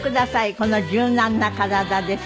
この柔軟な体です。